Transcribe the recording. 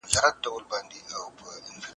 تا ته یې لاس کې ټوپک درکړ چې خپل ورور پرې وله